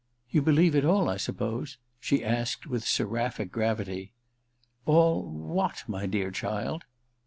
*You believe it all, I suppose ? she asked with seraphic gravity. * All — what, my dear child